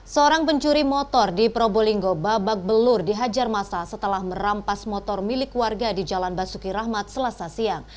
seorang pencuri motor di probolinggo babak belur dihajar masa setelah merampas motor milik warga di jalan basuki rahmat selasa siang